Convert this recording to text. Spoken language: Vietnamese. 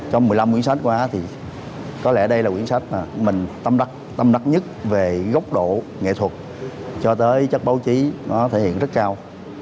trong một mươi năm quyển sách qua thì có lẽ đây là quyển sách mà mình tâm đắc nhất về gốc độ nghệ thuật cho tới chất báo chí nó thể hiện rất cao